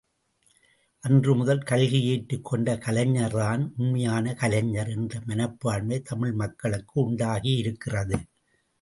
அன்று முதல் கல்கி ஏற்றுக்கொண்ட கலைஞர்தான் உண்மையான கலைஞர் என்ற மனப்பான்மை தமிழ் மக்களுக்கு உண்டாகியிருக்கிறது.